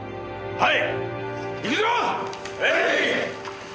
はい！